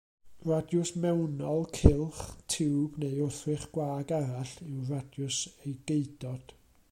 Radiws mewnol cylch, tiwb neu wrthrych gwag arall yw radiws ei geudod.